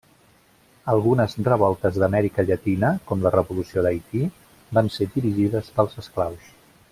Algunes revoltes d'Amèrica Llatina, com la revolució d'Haití, van ser dirigides pels esclaus.